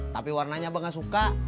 tapi warnanya abang nggak suka